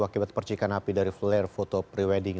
akibat percikan api dari flare foto pre wedding